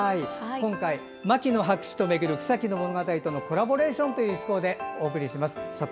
今回、「牧野博士とめぐる草木の物語」とのコラボレーションという趣向でお送りします。